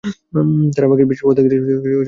তারা আমাকে সারা বিশ্বের অর্ধেক দেশে ঘুরতে দিবেনা।